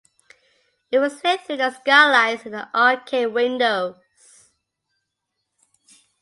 It was lit through the skylights in the arcade windows.